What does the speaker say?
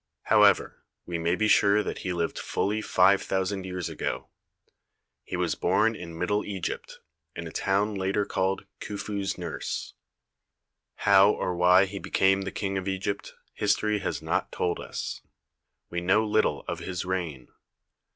However, we may be sure that he lived fully five thousand years ago. He was born in Middle Egypt, in a town later called "Khufu's Nurse." How or why he became the King of Egypt, history has not told us. We know little of his reign.